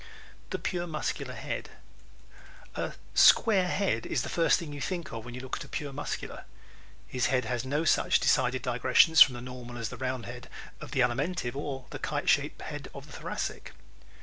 The Pure Muscular Head ¶ A "square head" is the first thing you think of when you look at a pure Muscular. His head has no such decided digressions from the normal as the round head of the Alimentive or the kite shaped head of the Thoracic.